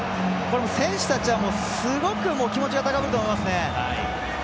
選手たちはすごく気持ちが高ぶると思いますね。